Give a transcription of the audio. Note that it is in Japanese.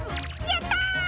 やった！